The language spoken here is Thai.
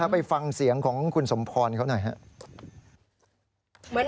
ไปฟังเสียงของคุณสมพรเขาหน่อยครับ